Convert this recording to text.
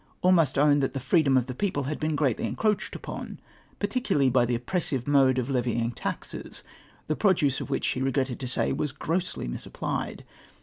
All must own that the freedom of the people had been greatly encroached upon, particularly by the oppressive mode of levying taxes, the produce of which, he regretted to say, was grossly misapplied.